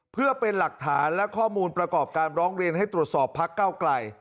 เพื่อเป็นหลักฐานและข้อมูลประกอบการร้องเรียนให้ตรวจสอบพักเก้าไกล